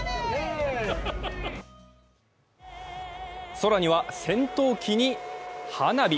空には戦闘機に花火。